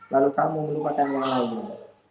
lalu kamu melupakan orang lain